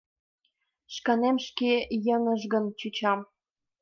Шканем шке йыгыжгын чучам...